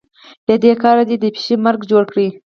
له دې کاره دې د پيشي مرګ جوړ کړ.